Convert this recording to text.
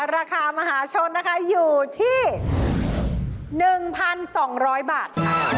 ราคามหาชนนะคะอยู่ที่๑๒๐๐บาท